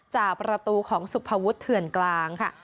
จากประตูของสุภวุฒิเถื่อนกลางค่ะ